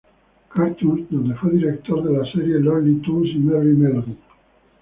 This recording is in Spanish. Cartoons, donde fue director de las series "Looney Tunes" y "Merrie Melodies".